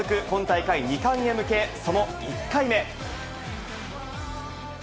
今大会２冠へ向け、その１回目。